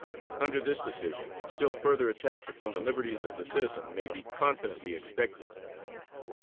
Under this decision still further attacks upon the liberties of the citizen may be confidently expected.